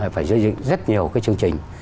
phải giới thiệu rất nhiều cái chương trình